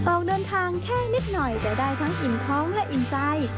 ออกเดินทางแค่นิดหน่อยจะได้ทั้งอิ่มท้องและอิ่มใจ